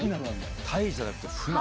タイじゃなくてフナ。